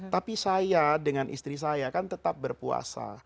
tapi saya dengan istri saya kan tetap berpuasa